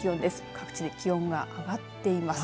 各地で気温が上がっています。